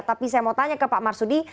tapi saya mau tanya ke pak marsudi